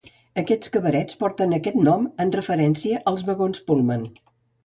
Aquests cabarets porten aquest nom en referència als vagons Pullman.